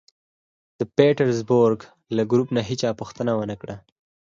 د پېټرزبورګ له ګروپ نه هېچا پوښتنه و نه کړه